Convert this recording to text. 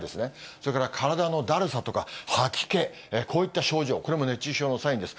それから体のだるさとか、吐き気、こういった症状、これも熱中症のサインです。